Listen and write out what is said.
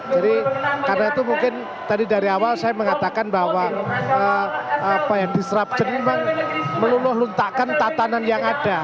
jadi karena itu mungkin tadi dari awal saya mengatakan bahwa apa ya disruption memang meluluh luntakan tatanan yang ada